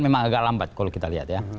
memang agak lambat kalau kita lihat ya